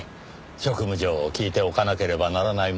職務上聞いておかなければならないものですから。